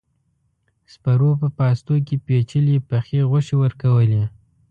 سپرو په پاستو کې پيچلې پخې غوښې ورکولې.